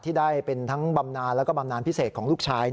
ที่ได้เป็นทั้งบำนานแล้วก็บำนานพิเศษของลูกชาย